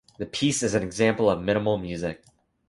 The piece is an example of minimal music.